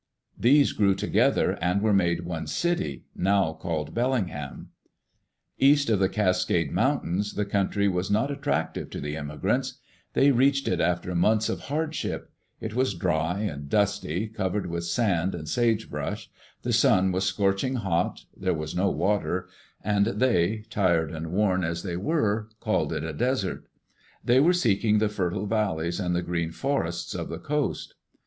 These grew together and were made one city, now called Bellingham. East of the Cascade mountains, the country was not attractive to the immigrants. They reached it after Digitized by VjOOQ IC EARLY. DAYS IN OLD OREGON months of hardship. It was dry and dusty, covered with sand and sagebrush; the sun was scorching hot, there was no water, and they, tired and worn as they were, called it a desert They were seeking the fertile valleys and the green forests of the coast.